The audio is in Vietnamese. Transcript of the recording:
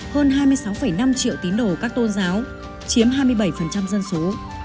hơn hai mươi sáu năm triệu tín đồ các tôn giáo chiếm hai mươi bảy dân số